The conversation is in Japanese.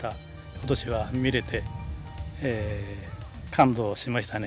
ことしは見れて、感動しましたね。